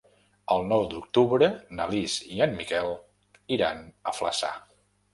El nou d'octubre na Lis i en Miquel iran a Flaçà.